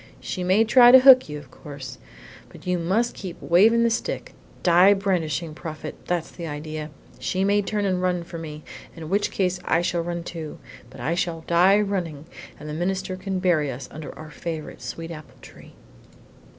She may try to hook you, of course, but you must keep waving the stick, die brandishing, Prophet, that's the idea! She may turn and run for me, in which case I shall run too; but I shall die running, and the minister can bury us under our favorite sweet apple tree!"